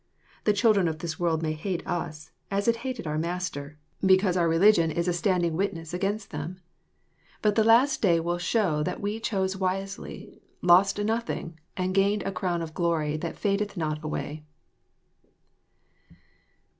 Tiie children of this world may hate us, as it hated our Master, JOHK, CHAP, vn. 5 because oar religion is a standing witness against them. But the last day will show that we chose wisely, lost nothing, and gained a crown of glory that fadeth not away.